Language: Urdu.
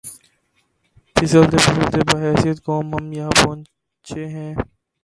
پھسلتے پھسلتے بحیثیت قوم ہم یہاں پہنچے ہیں۔